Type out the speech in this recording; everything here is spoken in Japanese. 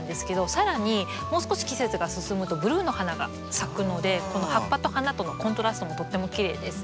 更にもう少し季節が進むとブルーの花が咲くのでこの葉っぱと花とのコントラストもとってもきれいです。